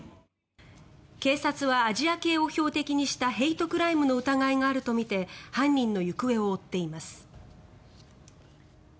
警察はアジア系を標的にしたヘイトクライムの疑いがあるとみて犯人の行方を追っています。